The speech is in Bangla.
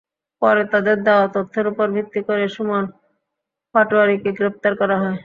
পরে তাঁদের দেওয়া তথ্যের ওপর ভিত্তি করে সুমন পাটোয়ারীকে গ্রেপ্তার করা হয়।